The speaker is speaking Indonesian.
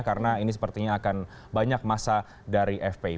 karena ini sepertinya akan banyak masa dari fpi